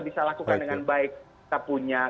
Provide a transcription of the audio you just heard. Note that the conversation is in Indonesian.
bisa lakukan dengan baik kita punya